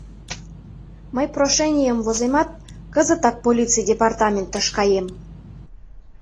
Мый прошенийым воземат, кызытак полиций департаментыш каем.